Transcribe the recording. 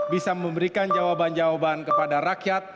bisa memberikan jawaban jawaban kepada rakyat